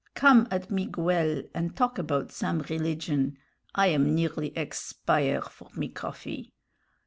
Come at Miguel and talk about some rilligion. I am nearly expire for me coffee."